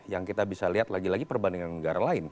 yang kita bisa lihat lagi lagi perbandingan negara lain